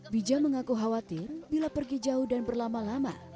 bija mengaku khawatir bila pergi jauh dan berlama lama